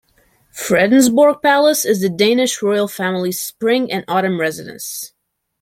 Fredensborg Palace is the Danish Royal Family's spring and autumn residence.